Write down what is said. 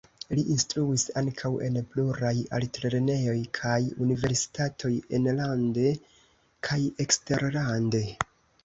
Li instruis ankaŭ en pluraj altlernejoj kaj universitatoj enlande kaj eksterlande.